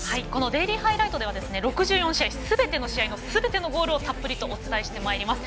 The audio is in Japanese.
「デイリーハイライト」ではすべての試合すべてのゴールをたっぷりとお伝えしてまいります。